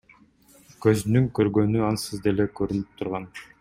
Көзүнүн көгөргөнү ансыз деле көрүнүп турган.